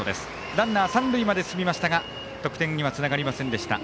ランナー、三塁まで進みましたが得点にはつながりませんでした。